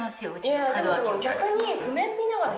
逆に。